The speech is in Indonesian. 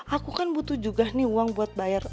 aku kan butuh juga nih uang buat bayar